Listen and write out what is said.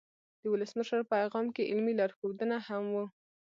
د ولسمشر پیغام کې علمي لارښودونه هم وو.